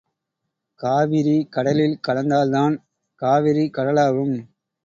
காவிரி கடலில் கலந்தால்தான் காவிரி கடலாகும்.